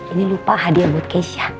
ini lupa hadiah buat keisha